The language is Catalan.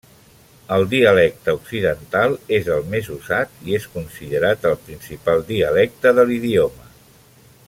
El dialecte occidental és el més usat i és considerat el principal dialecte de l'idioma.